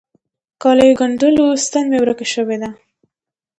کاليو ګنډلو ستن مي ورکه سوي وه.